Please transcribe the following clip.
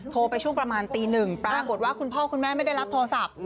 โทรไปช่วงประมาณตีหนึ่งปรากฏว่าคุณพ่อคุณแม่ไม่ได้รับโทรศัพท์